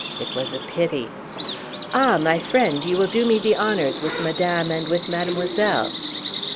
It was a pity. Ah! my friend, you will do me the honours with madame and with mademoiselle."